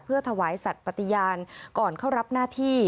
ถวายสัตว์ปฏิญาณก่อนเข้ารับหน้าที่